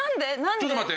ちょっと待って。